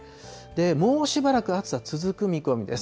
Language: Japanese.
もうしばらく暑さ、続く見込みです。